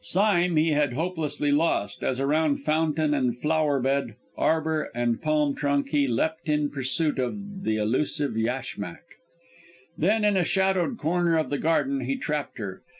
Sime he had hopelessly lost, as around fountain and flower bed, arbour and palm trunk he leapt in pursuit of the elusive yashmak. Then, in a shadowed corner of the garden, he trapped her.